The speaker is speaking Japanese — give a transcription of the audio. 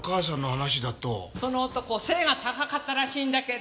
その男背が高かったらしいんだけど。